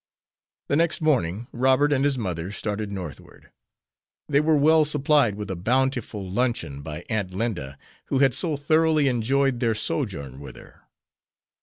The next morning Robert and his mother started northward. They were well supplied with a bountiful luncheon by Aunt Linda, who had so thoroughly enjoyed their sojourn with her.